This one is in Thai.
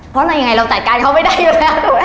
เพราะเรายังไงเราจัดการเขาไม่ได้อยู่แล้ว